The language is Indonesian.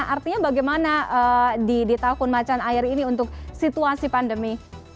artinya bagaimana di tahun macan air ini untuk situasi pandemi